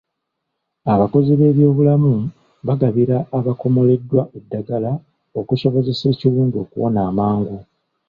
Abakozi b'ebyobulamu bagabira abakomoleddwa eddagala okusobozesa ekiwundu okuwona amangu.